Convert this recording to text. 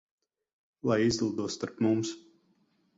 Lai izlido starp mums.